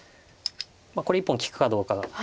これ１本利くかどうか。